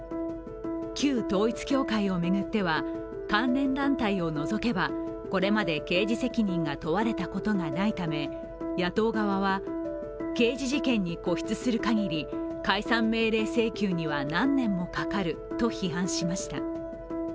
旧統一教会を巡っては、関連団体を除けばこれまで刑事責任が問われたことがないため野党側は、刑事事件に固執する限り解散命令請求には何年もかかると批判しました。